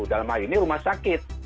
dalam hal ini rumah sakit